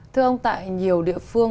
thưa ông tại nhiều địa phương